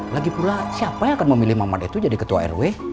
lagi pula siapa yang akan memilih mamat itu jadi ketua rw